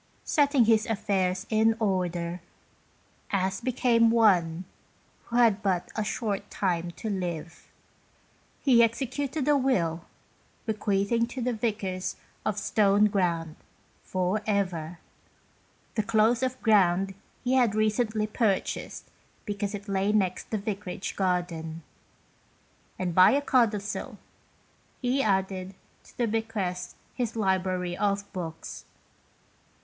Setting his affairs in order, as became 19 GHOST TALES. one who had but a short time to live, he executed a will, bequeathing to the Vicars of Stoneground, for ever, the close of ground he had recently purchased because it lay next the vicarage garden. And by a codicil, he added to the bequest his library of books.